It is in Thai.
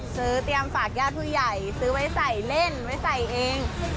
เตรียมฝากญาติผู้ใหญ่ซื้อไว้ใส่เล่นไว้ใส่เอง